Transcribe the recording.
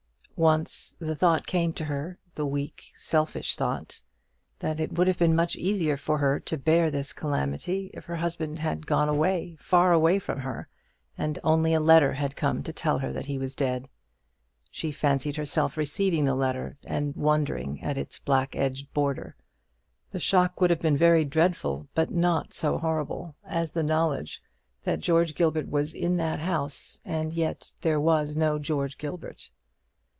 Once the thought came to her the weak selfish thought that it would have been much easier for her to bear this calamity if her husband had gone away, far away from her, and only a letter had come to tell her that he was dead. She fancied herself receiving the letter, and wondering at its black edged border. The shock would have been very dreadful; but not so horrible as the knowledge that George Gilbert was in that house, and yet there was no George Gilbert.